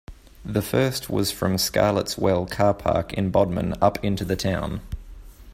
The first was from Scarlett's Well car park in Bodmin up into the town.